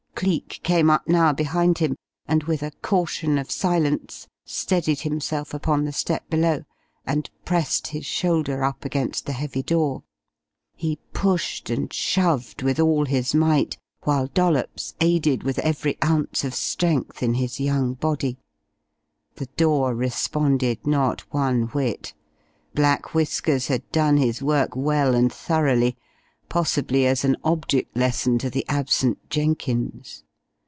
Cleek came up now, behind him, and with a caution of silence steadied himself upon the step below, and pressed his shoulder up against the heavy door. He pushed and shoved with all his might, while Dollops aided with every ounce of strength in his young body. The door responded not one whit. Black Whiskers had done his work well and thoroughly, possibly as an object lesson to the absent Jenkins.